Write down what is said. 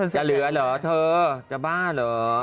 จะเหลือเหรอเธอจะบ้าเหรอ